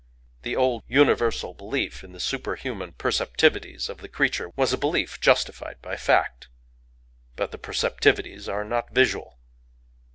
The old universal belief in the superhuman perceptivities of the creature was a belief justified by fact; but the perceptivities are not visual.